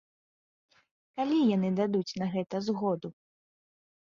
Калі яны дадуць на гэта згоду.